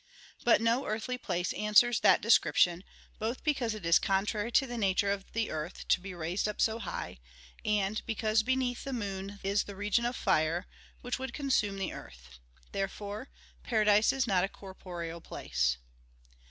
But no earthly place answers that description, both because it is contrary to the nature of the earth to be raised up so high, and because beneath the moon is the region of fire, which would consume the earth. Therefore paradise is not a corporeal place.